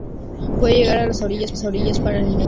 Puede llegar a las orillas para alimentarse del forraje.